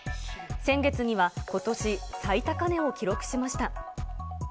先月には、ことし最高値を記録しました。